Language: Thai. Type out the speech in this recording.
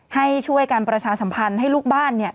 ให้ช่วยการประชาสัมพันธ์ให้ลูกบ้าน